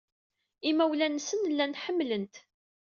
Imawlan-nsen llan ḥemmlen-t.